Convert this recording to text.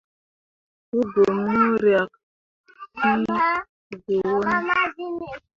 Wu go mu riak fii go wone.